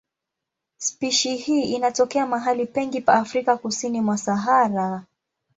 Spishi hii inatokea mahali pengi pa Afrika kusini kwa Sahara.